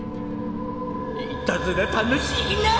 いたずら楽しいなぁ！